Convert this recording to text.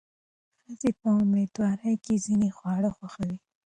ښځې په مېندوارۍ کې ځینې خواړه خوښوي.